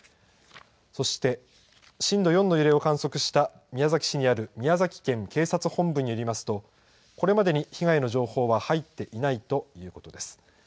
そして、震度４の揺れを観測した宮崎市にある宮崎県警察本部によりますと、これまでに被害の情報は入っていないということです。